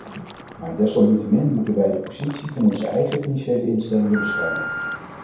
Maar desalniettemin moeten wij de positie van onze eigen financiële instellingen beschermen.